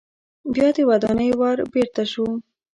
بیا د ودانۍ ور بیرته شو.